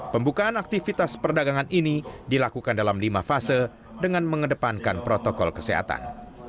pembukaan aktivitas perdagangan ini dilakukan dalam lima fase dengan mengedepankan protokol kesehatan